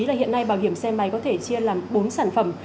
là hiện nay bảo hiểm xe máy có thể chia làm bốn sản phẩm